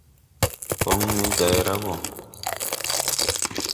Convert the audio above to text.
Kɔŋne gay ra gɔ.